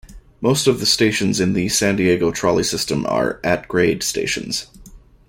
Most of the stations in the San Diego Trolley system are 'at-grade' stations.